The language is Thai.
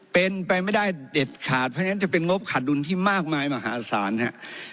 เป็นไปไม่ได้เด็ดขาดเพราะฉะนั้นจะเป็นงบขาดดุลที่มากมายมหาศาลครับ